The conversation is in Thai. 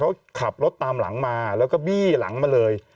เขาขับรถตามหลังมาแล้วก็บี้หลังมาเลย